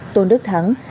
tôn đức thắng